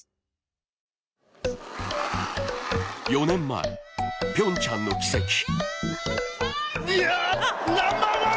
４年前、ピョンチャンの奇跡。